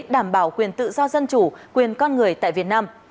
đảm bảo quyền tự do dân chủ quyền con người tại việt nam